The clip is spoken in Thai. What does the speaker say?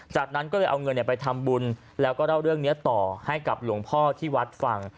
จากนั้นก็เลยเอาเงินไปทำบุญแล้วก็เล่าเรื่องนี้ต่อให้กับหลวงพ่อที่วัดฟัง